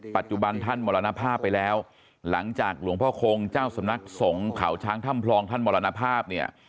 ปัจจุบันท่านมรณภาพไปแล้วหลังจากหลวงพ่อคงเจ้าสำนักสงฆ์เขาช้างถ้ำพลองท่านมรณภาพเนี่ย